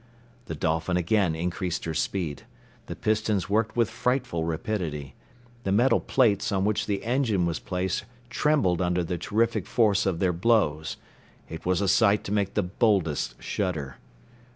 The Dolphin again increased her speed; the pistons worked with frightful rapidity; the metal plates on which the engine was placed trembled under the terrific force of their blows. It was a sight to make the boldest shudder.